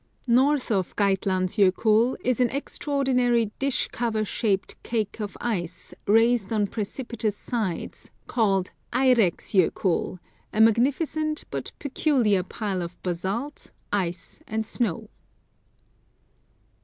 North of Geitlands JokuU is an extraordinary dish cover shaped cake of ice raised on precipitous sides, called Etrek's Jokull, a magnificent, but peculiar pile of basalt, ice, and snow.